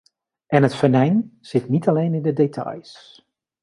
En het venijn zit niet alleen in de details.